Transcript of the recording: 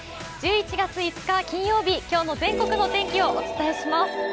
１１月５日金曜日、今日の全国のお天気をお伝えします。